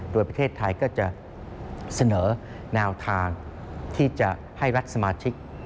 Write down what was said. โดยประเทศไทยก็จะเสนอแนวทางที่จะให้รัฐสมาชิก